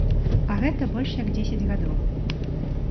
А гэта больш як дзесяць гадоў.